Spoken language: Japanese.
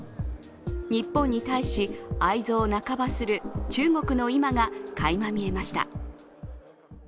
日本に対し愛憎半ばする中国の今がかいま見えました。